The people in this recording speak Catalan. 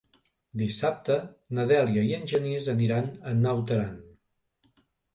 Dissabte na Dèlia i en Genís aniran a Naut Aran.